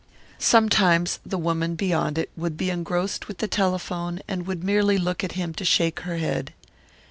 Sometimes the woman beyond it would be engrossed with the telephone and would merely look at him to shake her head.